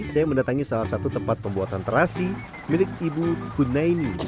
saya mendatangi salah satu tempat pembuatan terasi milik ibu hunaini